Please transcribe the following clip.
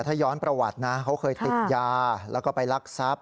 ถ้าย้อนประวัตินะเขาเคยติดยาแล้วก็ไปรักทรัพย